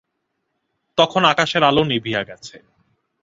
তখন আকাশের আলো নিবিয়া গেছে।